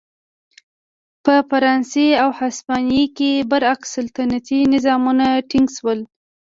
په فرانسې او هسپانیې کې برعکس سلطنتي نظامونه ټینګ شول.